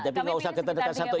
tapi nggak usah kita dekat satu